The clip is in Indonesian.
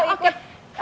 terima kasih yuk ikut